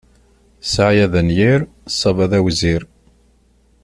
Ssɛaya d anyir, ṣṣaba d awzir.